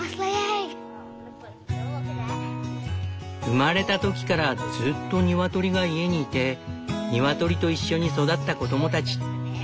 生まれた時からずっとニワトリが家にいてニワトリといっしょに育った子供たち。